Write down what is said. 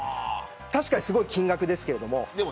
確かにすごい金額ですけど。